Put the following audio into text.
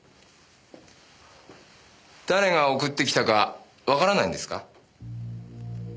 誰が送ってきたかわからないんですか？